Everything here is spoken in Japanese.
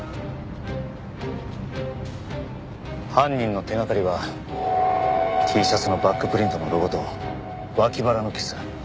犯人の手掛かりはＴシャツのバックプリントのロゴと脇腹の傷。